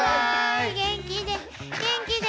元気で。